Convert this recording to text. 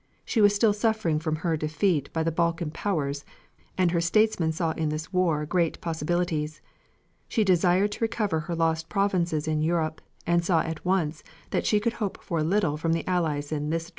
She was still suffering from her defeat by the Balkan powers, and her statesmen saw in this war great possibilities. She desired to recover her lost provinces in Europe, and saw at once that she could hope for little from the Allies in this direction.